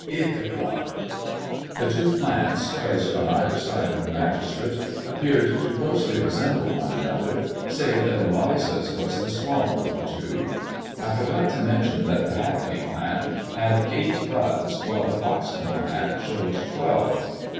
Ichabod ! The two plants pbbQi either side of the magistrate appeared to closely )Npi one another, save that Eliza's was the smaller of thi I forgot to mention that the Hackney plant had eilJUi while the Foxton plant showed twelve.